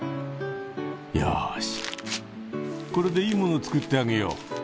よしこれでいいものを作ってあげよう。